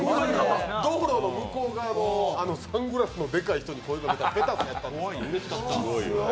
道路の向こう側のサングラスのでかい人に声かけたらペタスやったんですよ。